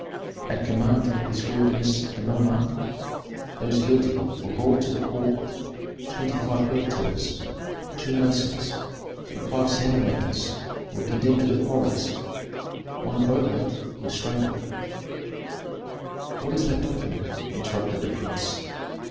At command of his worthiness the nomarch, those guilty were brought to the court; twenty five earth tillers, two masons, and five sandal makers were condemned to the quarries, one boatman was strangled " "What is that document?" interrupted the prince.